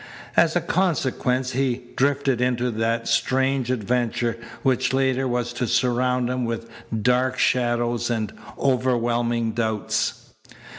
As a consequence he drifted into that strange adventure which later was to surround him with dark shadows and overwhelming doubts.